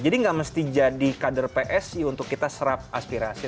nggak mesti jadi kader psi untuk kita serap aspirasi